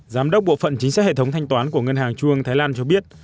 giám đốc bộ phận chính sách hệ thống thanh toán của ngân hàng chuông thái lan cho biết